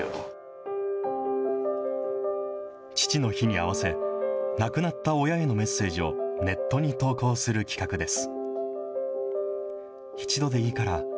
父の日に合わせ、亡くなった親へのメッセージをネットに投稿する企画です。